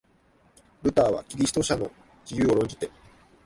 ルターはキリスト者の自由を論じて、